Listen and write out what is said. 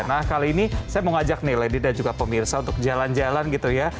nah kali ini saya mau ngajak nih lady dan juga pemirsa untuk jalan jalan gitu ya